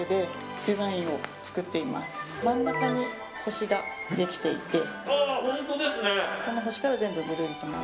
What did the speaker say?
真ん中に星ができていて。